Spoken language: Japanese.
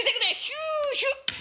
「ヒュヒュッ」。